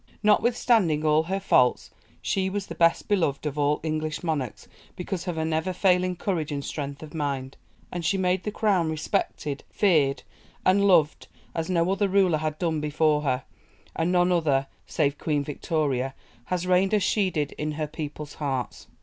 Notwithstanding all her faults, she was the best beloved of all English monarchs because of her never failing courage and strength of mind, and she made the Crown respected, feared, and loved as no other ruler had done before her, and none other, save Queen Victoria, has reigned as she did in her people's hearts.